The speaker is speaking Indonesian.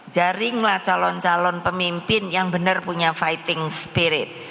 jaringlah calon calon pemimpin yang benar punya fighting spirit